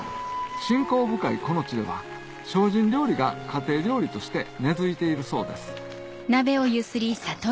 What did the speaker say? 信仰深いこの地では精進料理が家庭料理として根付いているそうです